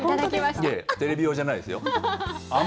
テレビ用じゃないですよ。